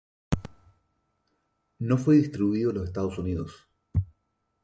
No fue distribuido en los Estados Unidos.